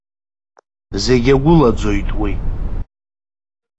Зегь агәылаӡоит уи.